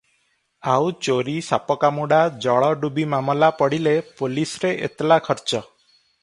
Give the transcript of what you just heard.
ଆଉ ଚୋରି, ସାପକାମୁଡ଼ା, ଜଳଡୁବିମାମଲା ପଡ଼ିଲେ ପୋଲିସରେ ଏତଲା ଖର୍ଚ୍ଚ ।